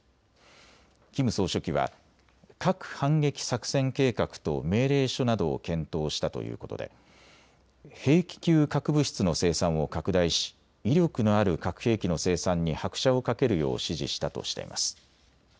キム総書記は核反撃作戦計画と命令書などを検討したということで兵器級核物質の生産を拡大し威力のある核兵器の生産に拍車をかけるよう指示したとしています。